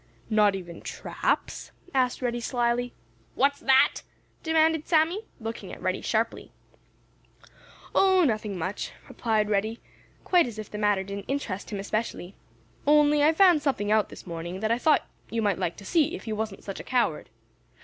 "Not even traps?" asked Reddy slyly. "What's that?" demanded Sammy, looking at Reddy sharply. "Oh, nothing much," replied Reddy, quite as if the matter didn't interest him especially, "only I found out something this morning that I thought you might like to see, if you wasn't such a coward."